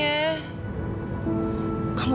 yang satu itu